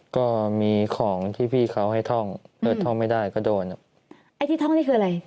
ก็มีของที่พี่เขาให้ท่องถ้าท่องไม่ได้ก็โดนไอ้ที่ท่องนี่คืออะไร